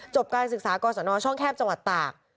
การศึกษากรสนช่องแคบจังหวัดตาก